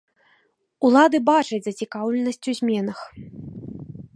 Улады бачаць зацікаўленасць у зменах.